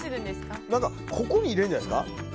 ここに入れるんじゃないですか？